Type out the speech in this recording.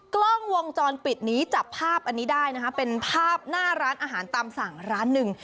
กล้องวงจรปิดนี้จับภาพอันนี้ได้นะคะเป็นภาพหน้าร้านอาหารตามสั่งร้านหนึ่ง